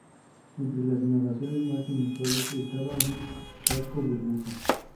Entre las innovaciones más inusuales estaba un "casco burbuja".